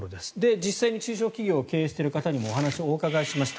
実際に中小企業を経営している方にもお話をお伺いしました。